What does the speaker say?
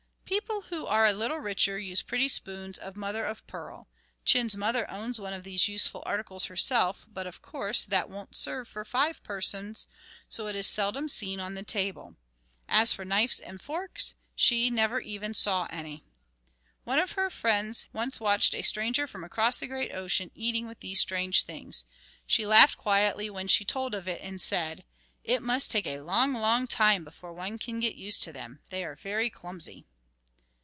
People who are a little richer use pretty spoons of mother of pearl; Chin's mother owns one of these useful articles herself, but of course, that won't serve for five persons, so it is seldom seen on the table. As for knives and forks, she never even saw any. One of her friends once watched a stranger from across the great ocean eating with these strange things. She laughed quietly when she told of it, and said: "It must take a long, long time before one can get used to them. They are very clumsy."